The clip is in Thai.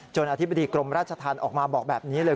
อธิบดีกรมราชธรรมออกมาบอกแบบนี้เลย